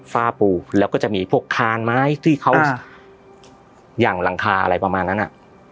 ฝ้าปูแล้วก็จะมีพวกคานไม้ที่เขาอย่างหลังคาอะไรประมาณนั้นอ่ะ